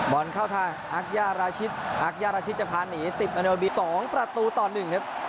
บอลเข้าทางอักย่าราชิตอักย่าราชิตจะพาหนีติดมาโดยบี๒ประตูต่อ๑ครับ